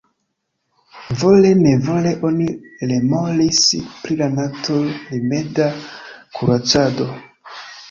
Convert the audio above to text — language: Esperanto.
Vole-nevole oni rememoris pri la natur-rimeda kuracado.